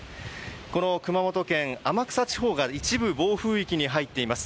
この熊本県天草地方が一部、暴風域に入っています。